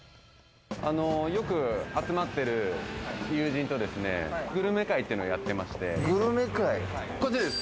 よく集まってる友人とグルメ会っていうのをやってまして。